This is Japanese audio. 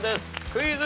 クイズ。